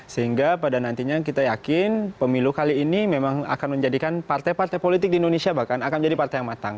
sehingga pada nantinya kita yakin pemilu kali ini memang akan menjadikan partai partai politik di indonesia bahkan akan menjadi partai yang matang